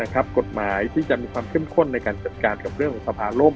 กฎหมายที่จะมีความเข้มข้นในการจัดการกับเรื่องของสภาโลก